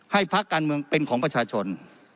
พักการเมืองเป็นของประชาชน